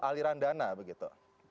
aliran dana begitu